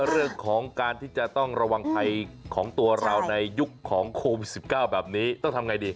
เรื่องของการที่จะต้องระวังภัยของตัวเราในยุคของโควิด๑๙แบบนี้ต้องทำไงดี